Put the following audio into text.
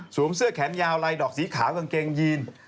เสื้อแขนยาวลายดอกสีขาวกางเกงยีน